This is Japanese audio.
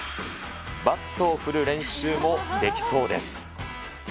バットを振る練習もできそうです。